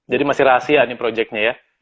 jadi masih rahasia nih projectnya ya